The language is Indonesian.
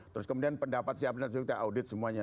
terus kemudian pendapat siap nanti kita audit semuanya